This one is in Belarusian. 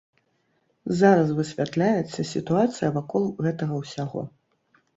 Зараз высвятляецца сітуацыя вакол гэтага ўсяго.